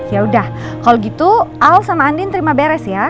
yaudah kalo gitu al sama andien terima beres ya